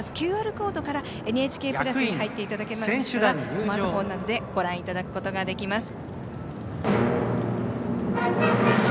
ＱＲコードからＮＨＫプラスに入っていただきますとスマートフォンなどでご覧いただくことができます。